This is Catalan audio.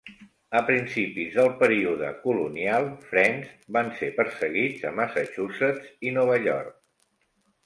A principis del període colonial, Friends van ser perseguits a Massachusetts i Nueva York.